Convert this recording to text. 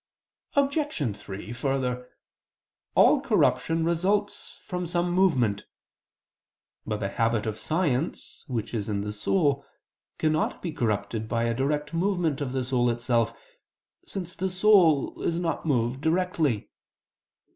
Obj. 3: Further, all corruption results from some movement. But the habit of science, which is in the soul, cannot be corrupted by a direct movement of the soul itself, since the soul is not moved directly.